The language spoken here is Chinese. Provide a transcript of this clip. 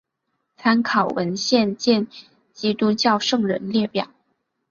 参考文献见基督教圣人列表。